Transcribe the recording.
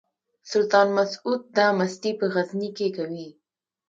سلطان مسعود دا مستي په غزني کې کوي.